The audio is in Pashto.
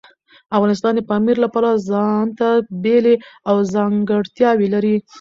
افغانستان د پامیر له پلوه ځانته بېلې او ځانګړتیاوې لري.